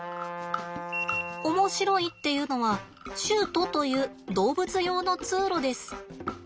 面白いっていうのはシュートという動物用の通路です。